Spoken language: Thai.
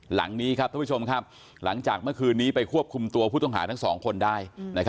หลังนี้ครับท่านผู้ชมครับหลังจากเมื่อคืนนี้ไปควบคุมตัวผู้ต้องหาทั้งสองคนได้